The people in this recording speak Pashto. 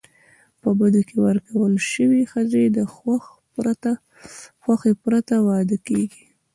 په بدو کي ورکول سوي ښځي د خوښی پرته واده کيږي.